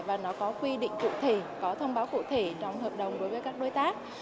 và nó có quy định cụ thể có thông báo cụ thể trong hợp đồng đối với các đối tác